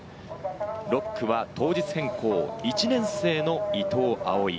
６区は当日変更、１年生の伊藤蒼唯。